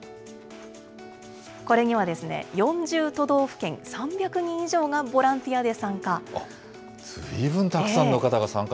これには４０都道府県３００人以上がボランティアで参加。